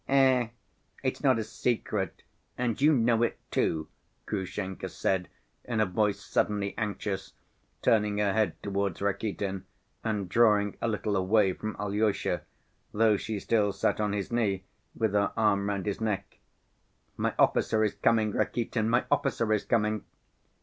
"Ech, it's not a secret, and you know it, too," Grushenka said, in a voice suddenly anxious, turning her head towards Rakitin, and drawing a little away from Alyosha, though she still sat on his knee with her arm round his neck. "My officer is coming, Rakitin, my officer is coming."